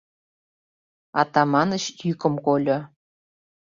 Атаманыч йӱкым кольо.